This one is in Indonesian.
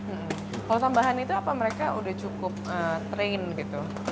hmm kalau tambahan itu apa mereka udah cukup train gitu